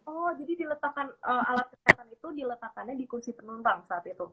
oh jadi diletakkan alat kesehatan itu diletakkannya di kursi penumpang saat itu